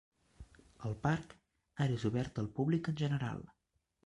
El parc ara és obert al públic en general.